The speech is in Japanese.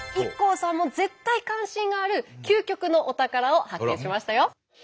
ＩＫＫＯさんも絶対関心がある究極のお宝を発見しましたよ。